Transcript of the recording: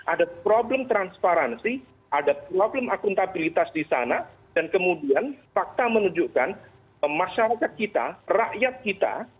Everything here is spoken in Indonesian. ada problem transparansi ada problem akuntabilitas di sana dan kemudian fakta menunjukkan masyarakat kita rakyat kita